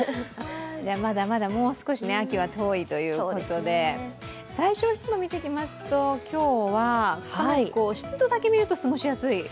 まだまだ、もう少し秋は遠いということで最小湿度、見ていきますと今日は結構湿度だけ見ると過ごしやすい。